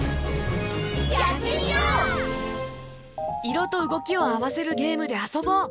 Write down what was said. いろとうごきをあわせるゲームであそぼう！